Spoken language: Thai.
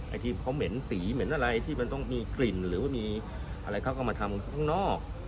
ไอ้ที่เขาเหม็นสีเหม็นอะไรที่มันต้องมีกลิ่นหรือว่ามีอะไรเขาก็มาทำข้างนอก